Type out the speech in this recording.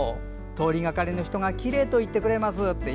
通りがかりの人がきれいと言ってくれますって。